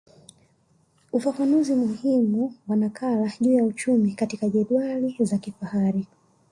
Ufafanuzi muhimu wa nakala juu ya uchumi katika jedwali za kifahari